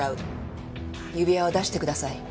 指輪を出してください。